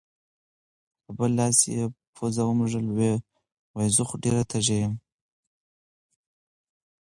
او پۀ بل لاس يې پوزه ومږله وې زۀ خو ډېر تږے يم